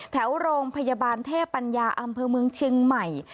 แถวโรงพยาบาลเทพปัญญาอำเภอเมืองเชียงใหม่